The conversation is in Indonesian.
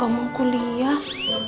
gak mau kuliah